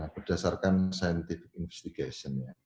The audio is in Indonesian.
berdasarkan penyelidikan ilmiah